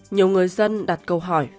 nhiều người dân đặt câu hỏi